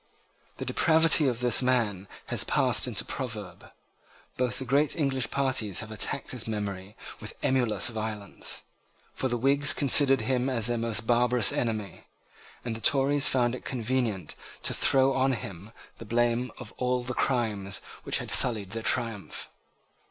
The depravity of this man has passed into a proverb. Both the great English parties have attacked his memory with emulous violence: for the Whigs considered him as their most barbarous enemy; and the Tories found it convenient to throw on him the blame of all the crimes which had sullied their triumph.